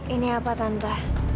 ini apa tante